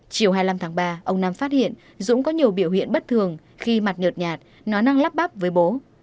chiều hai mươi năm tháng ba ông năm phát hiện dũng có nhiều biểu hiện bất thường khi mặt nhợt nhạt nó năng lắp bắp với bố